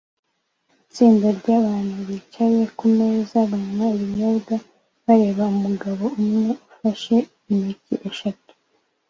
Itsinda ryabantu bicaye kumeza banywa ibinyobwa bareba umugabo umwe ufashe intoki eshatu